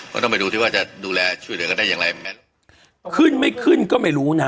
ก็ต้องไปดูที่ว่าจะดูแลช่วยเหลือกันได้อย่างไรขึ้นไม่ขึ้นก็ไม่รู้นะฮะ